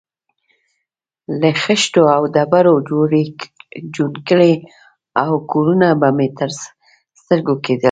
له خښتو او ډبرو جوړې جونګړې او کورونه به مې تر سترګو کېدل.